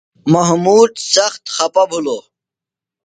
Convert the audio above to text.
محمود سخت خپہ بِھلوۡ۔